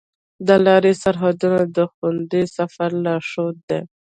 د لارې سرحدونه د خوندي سفر لارښود دي.